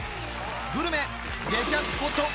グルメ激熱スポット